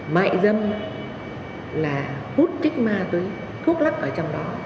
mại dâm là hút chất ma túy thuốc lắc ở trong đó